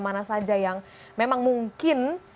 mana saja yang memang mungkin